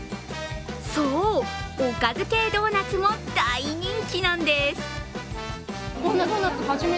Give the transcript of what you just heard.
そう、おかず系ドーナツも大人気なんです。